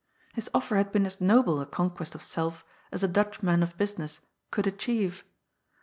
His offer had been as noble a conquest of self as a Dntch man of business could achieve.